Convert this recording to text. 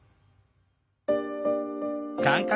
感覚